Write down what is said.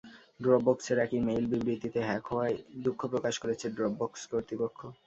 ড্রপবক্সের এক ইমেইল বিবৃবিতে হ্যাক হওয়ায় দুঃখ প্রকাশ করেছে ড্রপবক্স কর্তৃপক্ষ।